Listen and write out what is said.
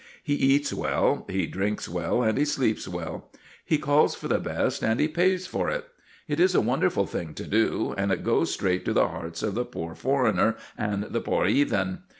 He eats well, he drinks well, and he sleeps well. He calls for the best, and he PAYS for it. It is a wonderful thing to do, and it goes straight to the hearts of the "pore foreigner" and the "pore 'eathen."